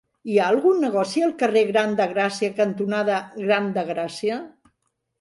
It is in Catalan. Hi ha algun negoci al carrer Gran de Gràcia cantonada Gran de Gràcia?